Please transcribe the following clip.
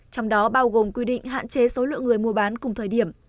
trong đó bao gồm quy định hạn chế số lượng người mua bán cùng thời điểm